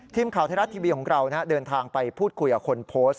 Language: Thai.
ทีมข่าวไทยรัฐทีวีของเราเดินทางไปพูดคุยกับคนโพสต์